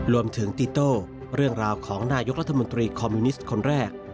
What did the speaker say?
ติโต้เรื่องราวของนายกรัฐมนตรีคอมมิวนิสต์คนแรก